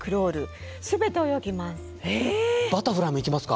バタフライもいきますか。